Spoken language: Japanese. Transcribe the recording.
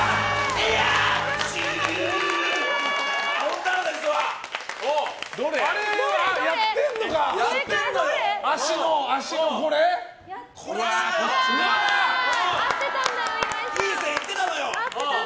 いい線行ってたのよ。